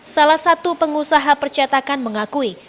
salah satu pengusaha percetakan mengakui